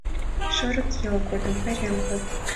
Шорыкйол годым, пайрем годым